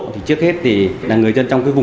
thì trước hết là người dân trong vùng dự án